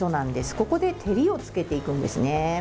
ここで照りをつけていくんですね。